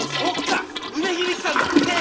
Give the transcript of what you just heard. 梅響さんのねっ？